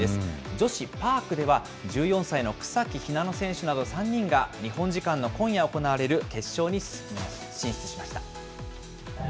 女子パークでは、１４歳の草木ひなの選手など３人が日本時間の今夜行われる決勝に進出しました。